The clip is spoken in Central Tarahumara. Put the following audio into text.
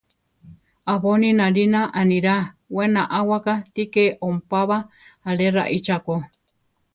Abóni nalína anirá; we naʼáwaka ti ke ompába ale raíchako.